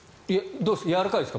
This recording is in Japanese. どうですか？